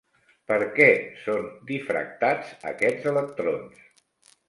Per què són difractats aquests electrons?